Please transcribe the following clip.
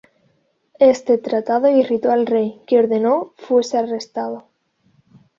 Este tratado irritó al rey, que ordenó fuese arrestado.